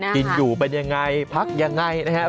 กินอยู่เป็นยังไงพักยังไงนะครับ